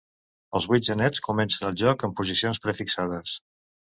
Els vuit genets comencen el joc en posicions prefixades.